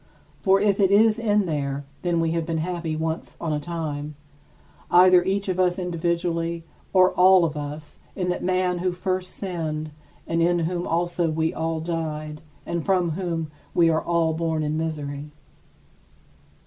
For if it is in there, then we have been happy once on a time either each of us individually or all of us in that man who first sinned and in whom also we all died and from whom we are all born in misery.